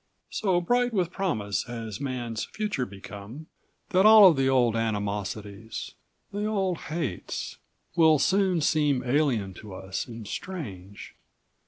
"... so bright with promise has Man's future become that all of the old animosities, the old hates, will soon seem alien to us and strange.